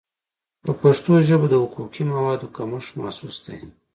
په پښتو ژبه د حقوقي موادو کمښت محسوس دی.